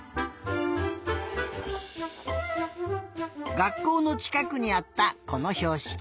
がっこうのちかくにあったこのひょうしき。